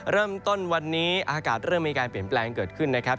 เริ่มต้นวันนี้อากาศเริ่มมีการเปลี่ยนแปลงเกิดขึ้นนะครับ